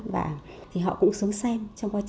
và họ cũng xuống xem